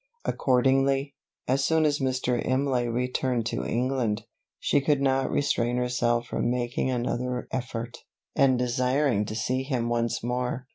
Accordingly, as soon as Mr. Imlay returned to England, she could not restrain herself from making another effort, and desiring to see him once more.